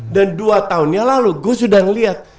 dan dua tahunnya lalu gue sudah ngeliat